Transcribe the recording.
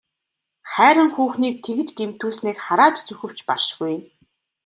Хайран хүүхнийг тэгж гэмтүүлснийг харааж зүхэвч баршгүй.